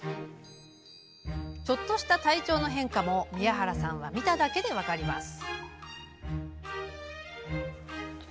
ちょっとした体調の変化も宮原さんは見ただけで分かります。